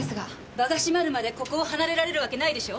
場が閉まるまでここを離れられるわけないでしょ！